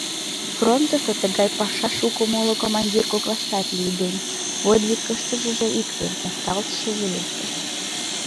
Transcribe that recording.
Фронтышто тыгай паша шуко моло командир коклаштат лиеден: подвиг ыштышыже икте, мокталтшыже весе.